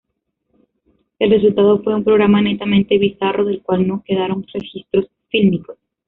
El resultado fue un programa netamente bizarro del cual no quedaron registros fílmicos.